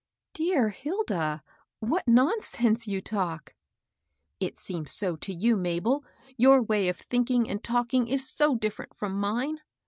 " Dear Hilda, what nonsense you talk 1 '*" It seems so to you, Mabel, your way of think ing and talking is so different from mine.